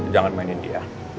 jangan mainin dia